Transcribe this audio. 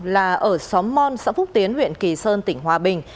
là ở xóm mon xã phúc tiến huyện kỳ sơn tỉnh hòa bình